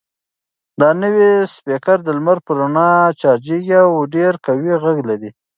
دا نوی سپیکر د لمر په رڼا چارج کیږي او ډېر قوي غږ لري.